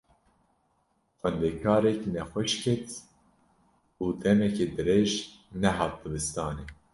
Xwendekarek nexweş ket û demeke dirêj nehat dibistanê.